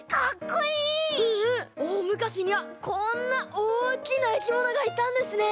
おおむかしにはこんなおおきないきものがいたんですね！